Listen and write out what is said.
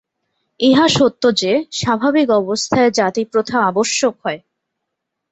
ইহা সত্য যে, স্বাভাবিক অবস্থায় জাতি-প্রথা আবশ্যক হয়।